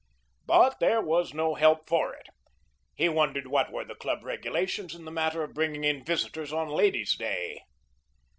But there was no help for it. He wondered what were the club regulations in the matter of bringing in visitors on Ladies' Day.